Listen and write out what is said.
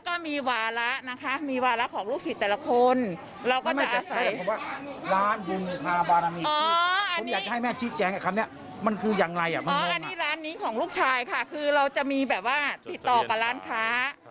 อันนี้ร้านนี้ของลูกชายค่ะคือเราจะมีแบบว่าติดต่อกับร้านค้า